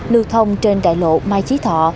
lưu thông trên đại lộ mai chí thọ